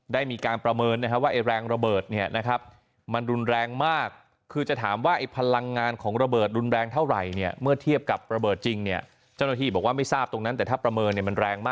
ได้มีการประเมินว่าแรงระเบิดเนี่ยนะครับ